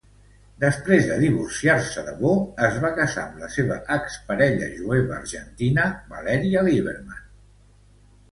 Després de divorciar-se de Bo, es va casar amb la seva ex-parella jueva argentina, Valeria Liberman.